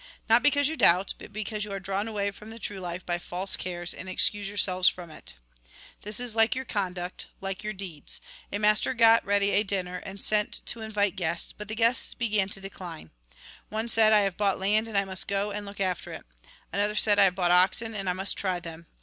Not because you doubt, but because you are drawn away from the true life by false cares, and excuse yourselves from it. " This is like your conduct, like your deeds : A 82 THE GOSPEL IN BRIEF master got ready a dinner, and sent to invite guests, but the guests began to decline. One said :' I have bought land, and I must go and look after it.' Another said :' I have bought oxen, and I must try them.'